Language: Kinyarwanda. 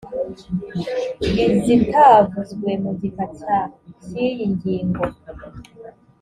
izitavuzwe mu gika cya cy iyi ngingo